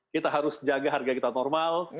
kita harus jaga harga kita normal